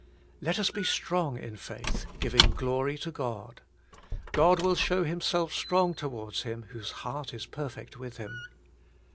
Let us be strong in faith, giving glory to God. God will show Himself strong towards him whose heart is perfect with Him.